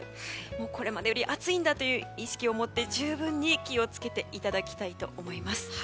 これまでより暑いんだという意識をもって十分に気を付けていただきたいと思います。